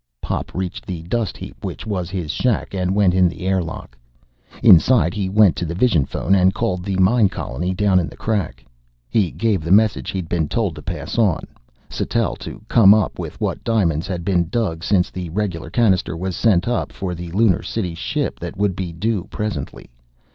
Pop reached the dust heap which was his shack and went in the air lock. Inside, he went to the vision phone and called the mine colony down in the Crack. He gave the message he'd been told to pass on. Sattell to come up, with what diamonds had been dug since the regular cannister was sent up for the Lunar City ship that would be due presently.